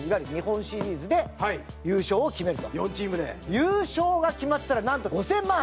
優勝が決まったらなんと５０００万円！